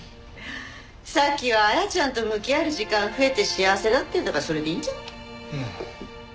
沙希は亜矢ちゃんと向き合える時間が増えて幸せだっていうんだからそれでいいじゃん。